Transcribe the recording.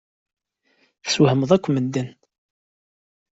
Teswehmemt akk medden.